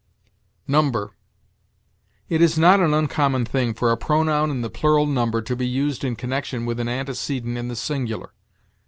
NUMBER. It is not an uncommon thing for a pronoun in the plural number to be used in connection with an antecedent in the singular.